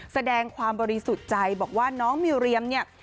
แสดงความบริสุทธิ์ใจบอกว่าน้องมิวเรียมเนี่ย